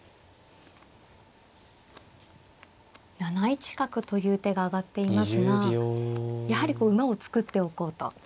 ７一角という手が挙がっていますがやはり馬を作っておこうと。